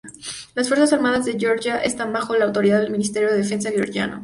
Las Fuerzas armadas de Georgia están bajo la autoridad del Ministerio de Defensa Georgiano.